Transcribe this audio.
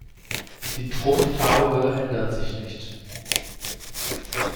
Die Trumpffarbe ändert sich nicht.